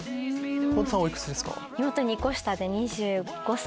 妹さんはおいくつですか？